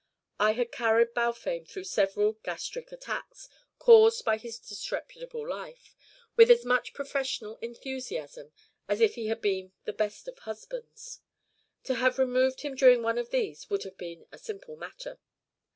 I had carried Balfame through several gastric attacks, caused by his disreputable life, with as much professional enthusiasm as if he had been the best of husbands. To have removed him during one of these would have been a simple matter.